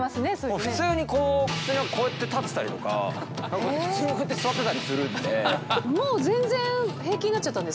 普通にこう、普通にこうやって立ってたりとか、普通にこうやって座ってたりするんで。